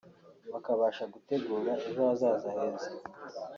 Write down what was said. bakabasha gutegura ejo hazaza heza